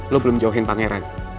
lo belum jauhin pangeran